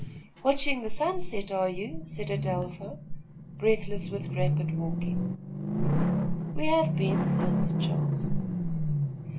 "Watching the sunset, are you?" said Adelpha, breathless with rapid walking. "We have been," answered Charles.